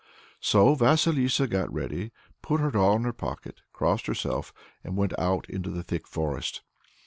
So Vasilissa got ready, put her doll in her pocket, crossed herself, and went out into the thick forest.